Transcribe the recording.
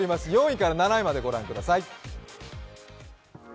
４位から７位まで御覧ください。